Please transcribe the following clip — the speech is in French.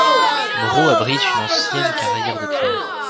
Moro abrite une ancienne carrière de pierre.